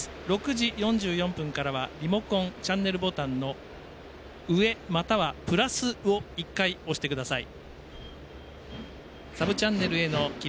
６時４４分からはリモコンチャンネルボタンの上またはプラスを１回押してください。